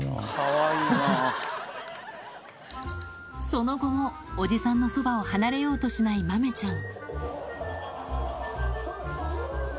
その後もおじさんのそばを離れようとしない豆ちゃん